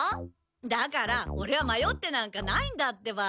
だからオレは迷ってなんかないんだってば。